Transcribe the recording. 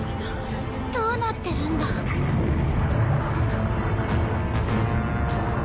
どうなってるんだ？あっ。